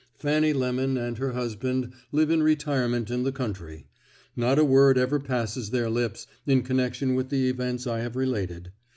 Fanny Lemon and her husband live in retirement in the country. Not a word ever passes their lips in connection with the events I have related.